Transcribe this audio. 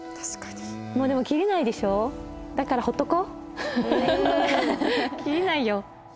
もうでもキリないでしょだからほっとこうはいキリないよ